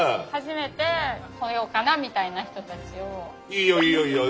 いいよいいよいいよ。